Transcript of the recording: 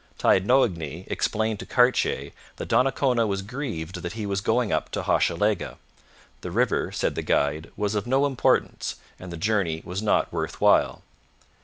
Taignoagny explained to Cartier that Donnacona was grieved that he was going up to Hochelaga. The river, said the guide, was of no importance, and the journey was not worth while.